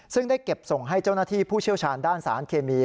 ซึ่งได้เก็บส่งให้เจ้าหน้าที่ผู้เชี่ยวชาญด้านสารเคมี